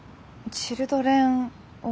チルドレンオブ。